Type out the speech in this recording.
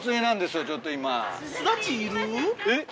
えっ？